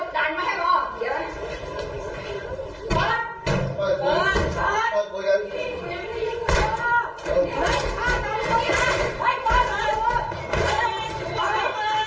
แสภาพมันมา